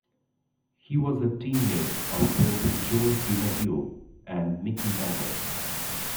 He was a teammate of both Joe DiMaggio and Mickey Mantle.